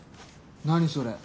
何それ？